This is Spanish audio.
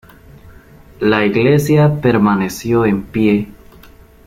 La iglesia permaneció en pie.